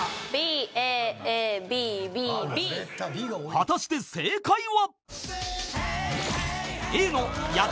［果たして正解は］